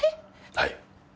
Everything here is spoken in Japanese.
はい。